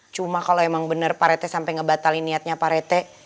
cuma kalau emang bener parete sampai ngebatalin niatnya parete